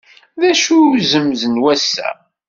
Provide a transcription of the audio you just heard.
D acu-t uzemz n wass-a?